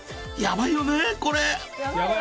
ヤバいよねこれ！